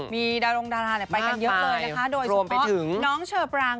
ยินยาญานี้จะไปเป็นพิธีกรให้กับทาง